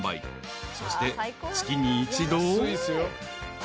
［そして月に一度］